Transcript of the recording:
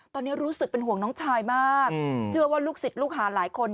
ตอนนี้รู้สึกเป็นห่วงน้องชายมากเชื่อว่าลูกศิษย์ลูกหาหลายคน